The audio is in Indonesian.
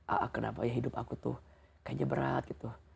ah kenapa ya hidup aku tuh kayaknya berat gitu